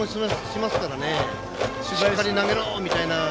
しっかり投げろ！みたいな。